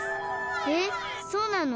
えっそうなの？